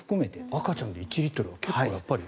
赤ちゃんで１リットルは結構やっぱり。